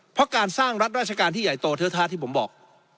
เพราะการสร้างรัฐราชการที่ใหญ่โตเทอะท่าที่ผมบอก